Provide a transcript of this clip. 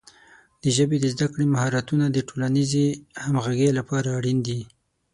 د ژبې د زده کړې مهارتونه د ټولنیزې همغږۍ لپاره اړین دي.